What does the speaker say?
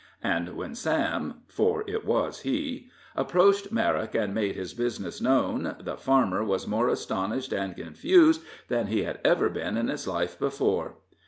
And when Sam for it was he approached Merrick and made his business known, the farmer was more astonished and confused than he had ever been in his life before.